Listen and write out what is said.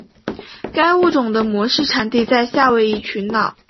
该物种的模式产地在夏威夷群岛。